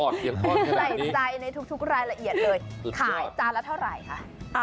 ใส่ใจในทุกรายละเอียดเลยขายจานละเท่าไหร่คะ